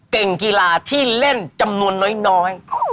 เก่งกีฬาที่เล่นจำนวนน้อย